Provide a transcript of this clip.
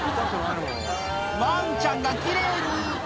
ワンちゃんがきれいに。